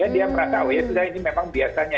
dia merasa oh ya sudah ini memang biasanya